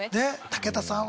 武田さんは？